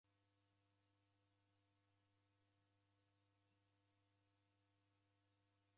Vilongozi w'amu w'alola w'utesia ghwa magome kwa w'aghenyu.